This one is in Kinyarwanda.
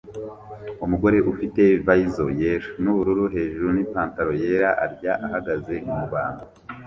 Umugore ufite visor yera nubururu hejuru nipantaro yera arya ahagaze mubantu